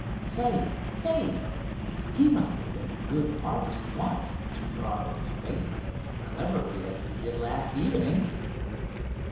"Say, Dave, he must have been a good artist once, to draw those faces as cleverly as he did last evening."